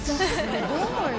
すごい！